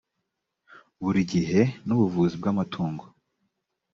buri gihe n’ubuvuzi bw’amatungo